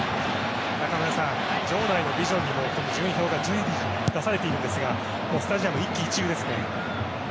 中村さん、場内のビジョンにも順位表出ているんですがスタジアム一喜一憂ですね。